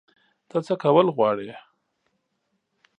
ته څه کول غواړې؟